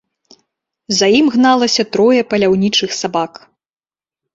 За ім гналася трое паляўнічых сабак.